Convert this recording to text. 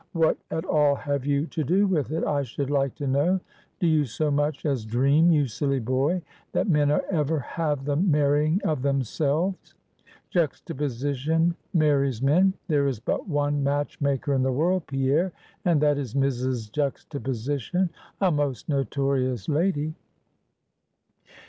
what at all have you to do with it, I should like to know? Do you so much as dream, you silly boy, that men ever have the marrying of themselves? Juxtaposition marries men. There is but one match maker in the world, Pierre, and that is Mrs. Juxtaposition, a most notorious lady!"